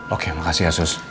oke makasih ya sus